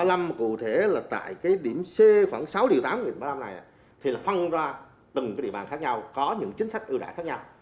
cái ưu đãi thực hiện theo nguyên định ba mươi năm cụ thể là tại cái điểm c khoảng sáu tám huyện ba mươi năm này thì là phân ra từng cái địa bàn khác nhau có những chính sách ưu đãi khác nhau